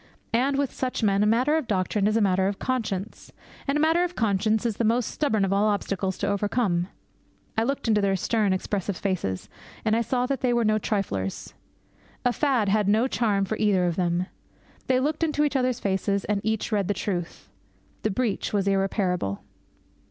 And, with such men, a matter of doctrine is a matter of conscience. And a matter of conscience is the most stubborn of all obstacles to overcome. I looked into their stern, expressive faces, and I saw that they were no triflers. A fad had no charm for either of them. They looked into each other's faces, and each read the truth. The breach was irreparable.